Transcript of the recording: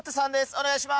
お願いします。